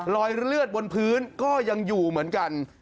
รอยเลือดบนพื้นก็ยังอยู่เหมือนกัน